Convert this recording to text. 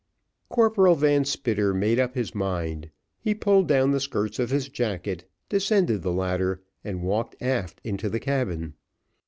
Corporal Van Spitter made up his mind; he pulled down the skirts of his jacket, descended the ladder, and walked aft into the cabin.